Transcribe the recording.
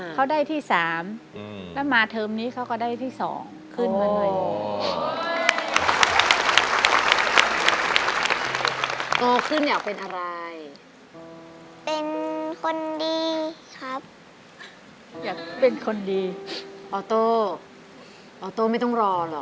กลัวโดดทอดทิ้ง